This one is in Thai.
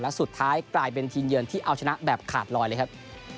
และสุดท้ายกลายเป็นทีมเยือนที่เอาชนะแบบขาดลอยเลยครับ